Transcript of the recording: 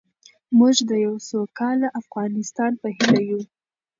موږ د یو سوکاله افغانستان په هیله یو.